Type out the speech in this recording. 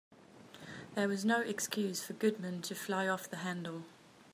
There was no excuse for Goodman to fly off the handle.